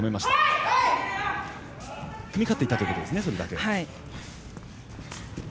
組み勝っていたということですね、それだけ。